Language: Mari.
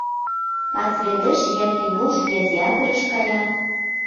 Кас велеш я кинош, я театрыш кая.